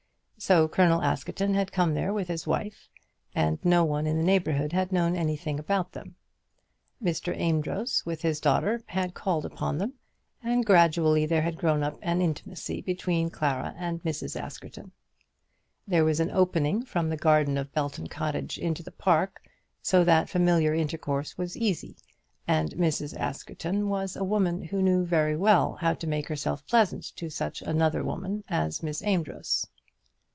So Colonel Askerton had come there with his wife, and no one in the neighbourhood had known anything about them. Mr. Amedroz, with his daughter, had called upon them, and gradually there had grown up an intimacy between Clara and Mrs. Askerton. There was an opening from the garden of Belton Cottage into the park, so that familiar intercourse was easy, and Mrs. Askerton was a woman who knew well how to make herself pleasant to such another woman as Miss Amedroz.